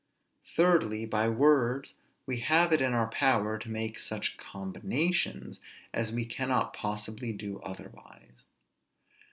Thirdly, by words we have it in our power to make such combinations as we cannot possibly do otherwise.